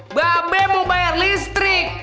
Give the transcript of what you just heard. mbak be mau bayar listrik